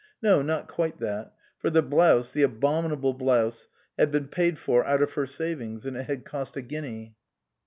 No, not quite that, for the blouse, the abomin able blouse, had been paid for out of her savings and it had cost a guinea.